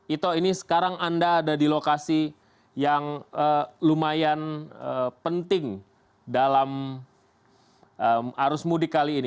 ito ini sekarang anda ada di lokasi yang lumayan penting dalam arus mudik kali ini